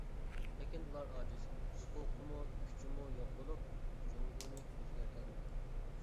لېكىن ئۇلار ئاجىز، ھوقۇقىمۇ، كۈچىمۇ يوق بولۇپ، جۇڭگونى ئۆزگەرتەلمىدى.